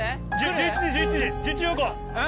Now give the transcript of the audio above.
１１時、１１時方向。